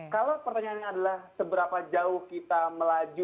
kalau pertanyaannya adalah seberapa jauh kita melaju